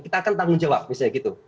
kita akan tanggung jawab misalnya gitu